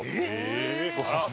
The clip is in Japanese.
えっ！？